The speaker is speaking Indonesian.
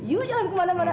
you jangan kemana mana